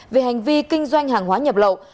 về hành vi kinh doanh hàng hóa nhập lậu